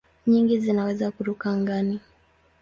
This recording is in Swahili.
Nyingi zinaweza kuruka angani.